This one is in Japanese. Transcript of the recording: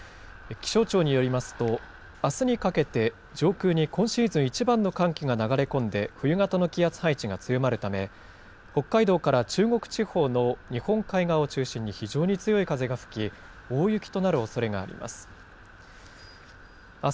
気象庁によりますと、あすにかけて、上空に今シーズン一番の寒気が流れ込んで冬型の気圧配置が強まるため、北海道から中国地方の日本海側を中心に非常に強い風が吹き、大雪となるおそれがあります。